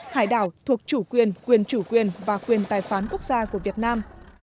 hải đảo thuộc chủ quyền quyền chủ quyền và quyền tài phán quốc gia của việt nam